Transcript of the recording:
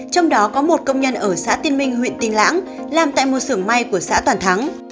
trong đó có một công nhân ở xã tiên minh huyện tiên lãng làm tại một sưởng may của xã toàn thắng